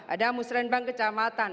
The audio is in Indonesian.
ada musrembang kecamatan